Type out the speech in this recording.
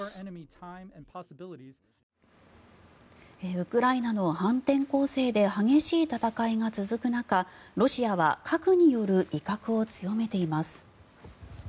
ウクライナの反転攻勢で激しい戦いが続く中ロシアは核による威嚇を強めています。